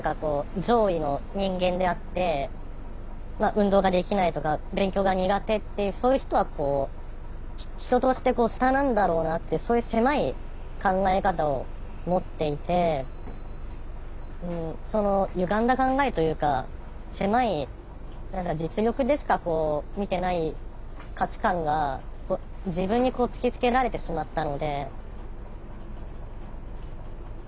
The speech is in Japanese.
運動ができないとか勉強が苦手っていうそういう人はこう人として下なんだろうなってそういう狭い考え方を持っていてそのゆがんだ考えというか狭い何か実力でしか見てない価値観が自分に突きつけられてしまったので。